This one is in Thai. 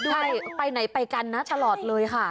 ใช่ไปไหนไปกันนะตลอดเลยค่ะ